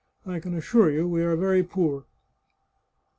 I can assure you we are very poor."